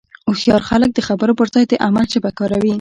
هوښیار خلک د خبرو پر ځای د عمل ژبه کاروي.